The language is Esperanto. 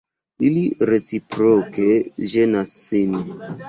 Ili reciproke ĝenas sin.